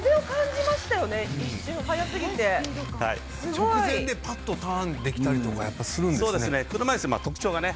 直前でぱっとターンできたりするんですね。